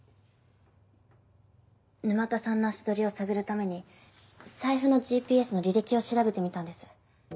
沼田さんの足取りを探るために財布のＧＰＳの履歴を調べてみたんです。